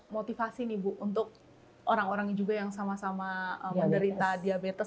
motivasi nih bu untuk orang orang yang sama sama menderita diabetes